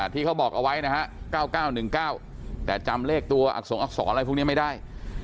ที่เขาบอกเอาไว้นะฮะ๙๙๑๙แต่จำเลขตัวอักษงอักษรอะไรพวกนี้ไม่ได้